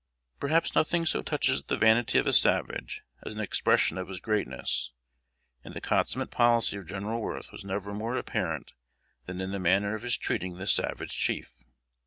Perhaps nothing so touches the vanity of a savage as an expression of his greatness; and the consummate policy of General Worth was never more apparent than in the manner of his treating this savage chief.